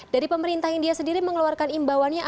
dari pemerintah india sendiri mengeluarkan imbauannya